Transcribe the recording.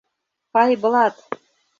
Пайблат.